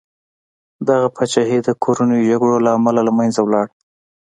دغه پاچاهي د کورنیو جګړو له امله له منځه لاړه.